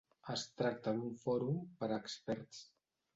Es tracta d'un fòrum per a experts.